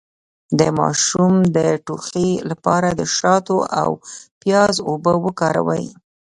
د ماشوم د ټوخي لپاره د شاتو او پیاز اوبه وکاروئ